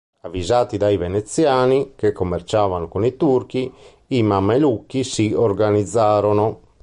Avvisati dai veneziani, che commerciavano con i turchi, i mamelucchi si organizzarono.